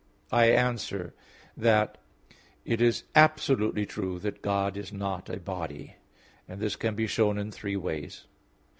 I answer that, It is absolutely true that God is not a body; and this can be shown in three ways.